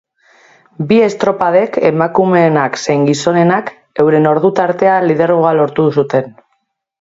Bi estropadek, emakumeenak zein gizonenak, euren ordu-tartean lidergoa lortu zuten.